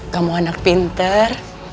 kamu anak pinter